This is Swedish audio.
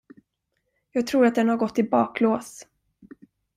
Jag tror att den har gått i baklås.